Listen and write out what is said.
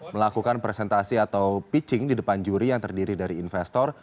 melakukan presentasi atau pitching di depan juri yang terdiri dari investor